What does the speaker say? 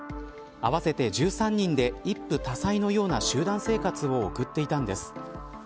合わせて１３人で一夫多妻のような集団生活を送っていたんです。